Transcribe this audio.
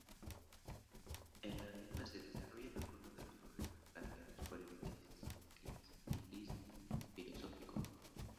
En la misma se desarrollan algunos de los problemas planteados por el existencialismo filosófico.